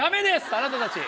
あなたたち。